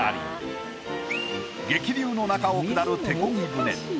激流の中を下る手漕ぎ船。